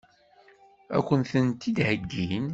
Ad kent-tent-id-heggin?